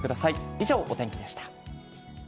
以上、お天気でした。